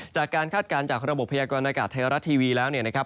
จากการคาดการณ์จากระบบพยากรณ์อากาศไทยรัฐทีวีแล้วนะครับ